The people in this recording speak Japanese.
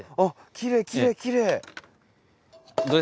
きれいきれいきれい。